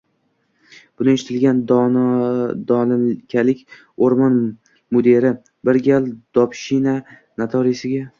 Buni eshitgan dolinkalik oʻrmon mudiri bir gal Dobshina notariusiga: